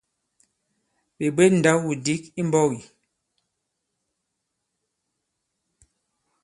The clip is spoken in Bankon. Ɓè bwě ndaw-wudǐk i mbɔ̄k ì ?